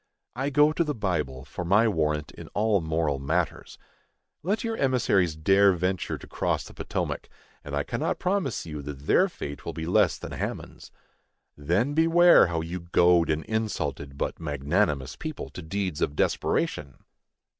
I go to the Bible for my warrant in all moral matters. Let your emissaries dare venture to cross the Potomac, and I cannot promise you that their fate will be less than Haman's. Then beware how you goad an insulted but magnanimous people to deeds of desperation!